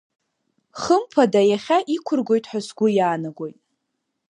Хымԥада, иахьа иқәыргоит ҳәа сгәы иаанагоит.